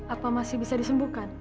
apa masih bisa disembuhkan